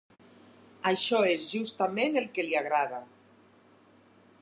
Això és justament el que li agrada.